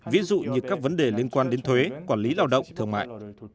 ví dụ như các vấn đề liên quan đến thuế quản lý lao động thương mại